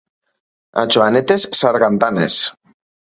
A Joanetes, sargantanes.